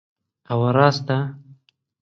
ئەوە ڕاستە؟